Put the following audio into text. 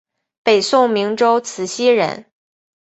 北宋明州慈溪人。